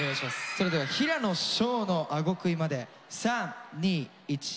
それでは平野紫耀のあごくいまで３２１キュー。